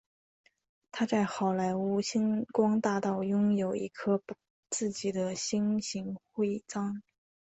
他在好莱坞星光大道拥有一颗自己的星形徽章。